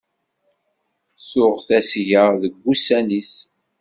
Tuɣ tasga deg ussan-is.